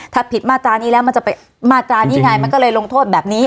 ถ้าผิดมาตรานี้แล้วมันจะไปมาตรานี้ไงมันก็เลยลงโทษแบบนี้